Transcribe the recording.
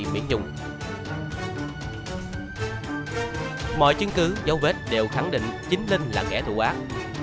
mọi chứng cứ dấu vết đều khẳng định chính linh là kẻ thù ác